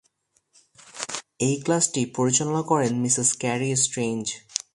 এই ক্লাসটি পরিচালনা করেন মিসেস ক্যারি স্ট্রেঞ্জ।